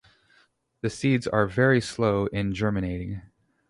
The seeds are very slow in germinating.